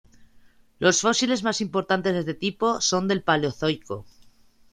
Los fósiles más importantes de este tipo son del Paleozoico.